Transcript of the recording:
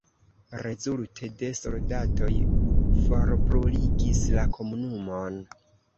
Rezulte la soldatoj forbruligis la komunumon.